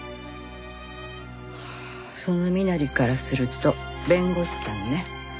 その身なりからすると弁護士さんね。